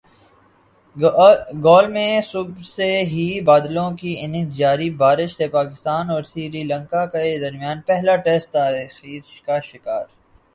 گال میں صبح سے ہی بادلوں کی اننگز جاری بارش سے پاکستان اور سری لنکا کے درمیان پہلا ٹیسٹ تاخیر کا شکار